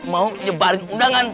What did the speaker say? mau menyebarkan undangan